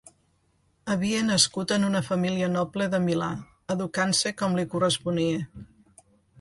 Havia nascut en una família noble de Milà, educant-se com li corresponia.